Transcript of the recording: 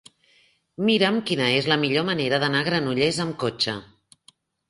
Mira'm quina és la millor manera d'anar a Granollers amb cotxe.